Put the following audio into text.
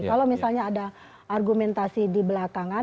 kalau misalnya ada argumentasi di belakangan